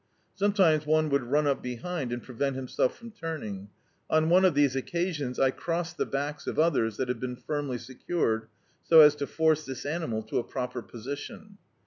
Sometimes one would run up behind, and prevent himself from turning. On one of these occasions, I crossed the backs of others, that had been fimily secured, so as to force this animal Co a proper position.